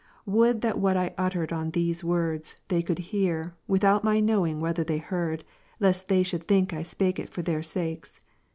Would that what I uttered on ! these words, they could hear, without my knowing whether I they heard, lest they should think I spake it for their sakes